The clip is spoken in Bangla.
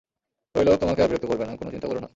ওই লোক তোমাকে আর বিরক্ত করবে না, কোন চিন্তা করো না।